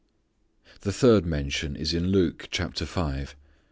The third mention is in Luke, chapter five.